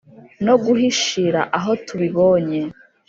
no guhishira aho tubibonye.